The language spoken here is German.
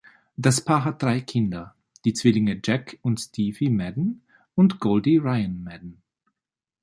Das Paar hat drei Kinder: die Zwillinge Jack und Stevie Madden und Goldie Ryan Madden.